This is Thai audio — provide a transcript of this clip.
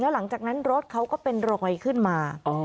หลังจากนั้นรถเขาก็เป็นรอยขึ้นมา